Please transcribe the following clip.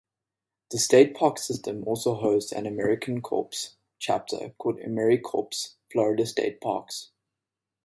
The state park system also hosts an AmeriCorps chapter, called AmeriCorps Florida State Parks.